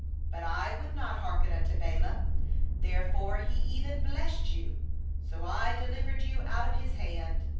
"But I would not hearken unto Balaam; therefore he even blessed you; so I delivered you out of his hand.